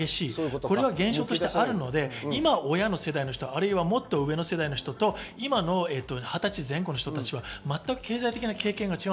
これが現象としてあるので、今親の世代の人たち、もっと上の世代の人たちと、今の２０歳前後の人たちは全く経済的な経験が違う。